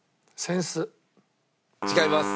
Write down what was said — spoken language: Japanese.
違います。